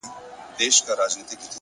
هڅاند انسان محدودیت نه مني!